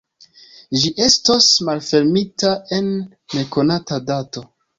Ĝi estos malfermita en nekonata dato.